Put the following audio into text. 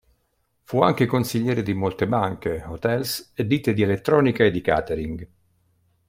Fu anche consigliere di molte banche, hotels, ditte di elettronica e di catering.